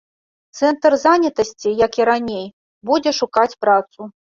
Цэнтр занятасці, як і раней, будзе шукаць працу.